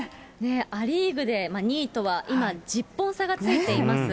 ア・リーグで２位とは今、１０本差がついています。